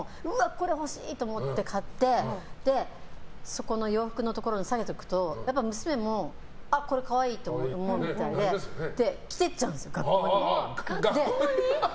これ欲しいと思って買ってそこの洋服にさげておくと娘もこれ可愛いと思うみたいで着てっちゃうんですよ、学校に。